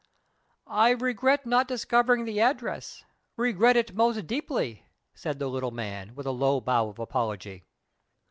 "I regret not discovering the address regret it most deeply," said the little man, with a low bow of apology.